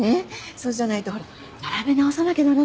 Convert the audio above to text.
そうじゃないとほら並べ直さなきゃならなくなる。